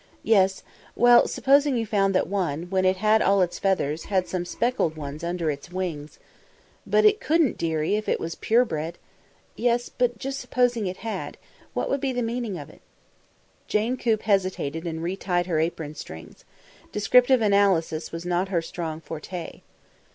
"Yes. Well, supposing you found that one, when it had all its feathers, had some speckled ones under its wings " "But it couldn't, dearie, if it was pure bred!" "Yes, but just supposing it had, what would be the meaning of it?" Jane Coop hesitated, and re tied her apron strings. Descriptive analysis was not her strong forte.